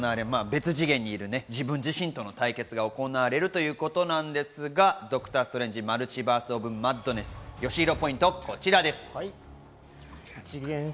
別次元にいる自分自身との対決が行われるということなんですが、『ドクター・ストレンジ／マルチバース・オブ・マッドネス』よしひろポイント、こちらです。